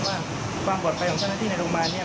ว่าความปลอดภัยของเช่นอาทิตย์ในโรงพยาบาลเนี่ย